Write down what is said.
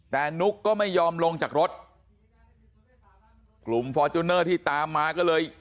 แต่นุ๊กก็ไม่ยอมลงจากรถกลุ่มฟอร์จูเนอร์ที่ตามมาก็เลย